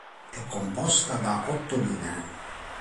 È composta da otto linee.